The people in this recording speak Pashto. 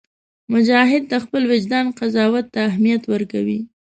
مجاهد د خپل وجدان قضاوت ته اهمیت ورکوي.